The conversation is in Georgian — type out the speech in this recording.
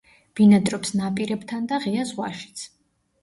ბინადრობს ნაპირებთან და ღია ზღვაშიც.